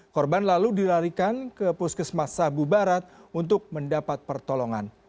korban lalu dilarikan ke puskesmas sabu barat untuk mendapat pertolongan